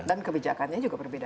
dan kebijakannya juga berbeda beda